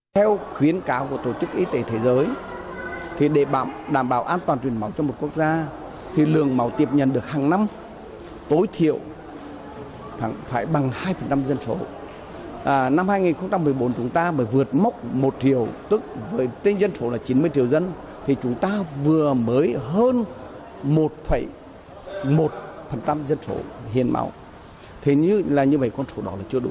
theo khuyến cáo của tổ chức y tế thế giới thì để đảm bảo an toàn truyền máu cho một quốc gia thì lượng máu tiếp nhận được hàng năm tối thiểu phải bằng hai dân số năm hai nghìn một mươi bốn chúng ta vừa vượt mốc một triệu tức với tên dân số là chín mươi triệu dân thì chúng ta vừa mới hơn một một dân số hiền máu thế như vậy con số đó là chưa đủ